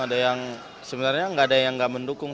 ada yang sebenarnya gak ada yang gak mendukung